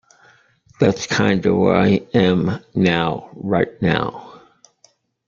That's kinda where I am now right now.